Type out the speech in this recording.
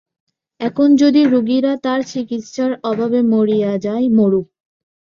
এখন যদি রোগীরা তার চিকিৎসার অভাবে মরিয়া যায়, মরুক।